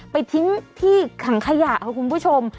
ไปทิ้งที่ถังขยะค่ะคุณผู้ชม